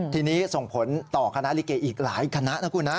ทีนี้ส่งผลต่อคณะลิเกอีกหลายคณะนะคุณนะ